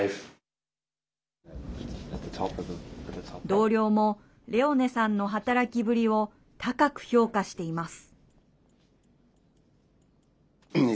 同僚もレオネさんの働きぶりを高く評価しています。